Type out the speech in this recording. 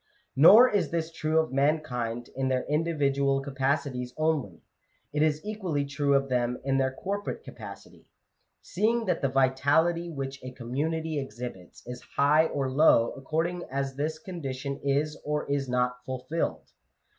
Nor is this true of mankind in their individual capacities only : it is equally true of them in their corporate capacity ; seeing that the vitality which a community exhibits is high or low according as this condition is or is not fulfilled.